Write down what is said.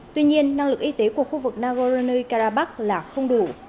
tuy nhiên năng lực y tế của khu vực nagorno karabakh là không đủ